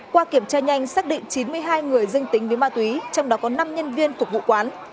qua kiểm tra nhanh xác định chín mươi hai người dưng tính với ma túy trong đó có năm nhân viên phục vụ quán